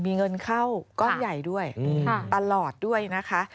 มีเงินเข้าก้อนใหญ่ด้วยตลอดด้วยนะคะ